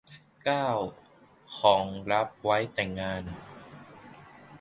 เก้า ของรับไหว้งานแต่ง